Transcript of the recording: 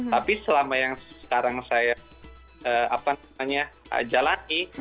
tapi selama yang sekarang saya jalani